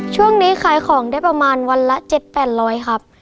ช่วงนี้ขายของได้ประมาณวันละ๗๘๐๐ครับ